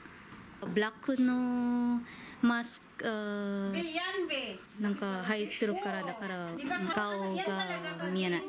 ブラックのマスク、なんかはいってるから、だから顔が見えない。